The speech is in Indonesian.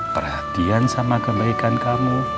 perhatian sama kebaikan kamu